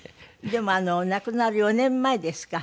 でも亡くなる４年前ですか。